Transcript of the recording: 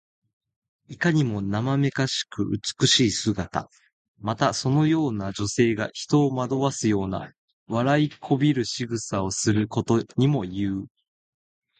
いかにもなまめかしく美しい姿。また、そのような女性が人を惑わすような、笑いこびるしぐさをすることにもいう。